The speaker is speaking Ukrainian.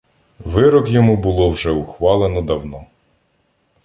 Вирок йому було вже ухвалено давно.